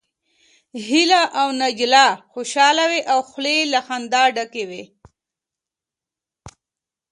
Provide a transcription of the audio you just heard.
هيله او ناجيه خوشحاله وې او خولې يې له خندا ډکې وې